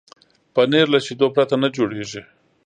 پنېر له شیدو پرته نه جوړېږي.